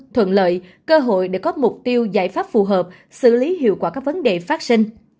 thuận lợi cơ hội để có mục tiêu giải pháp phù hợp xử lý hiệu quả các vấn đề phát sinh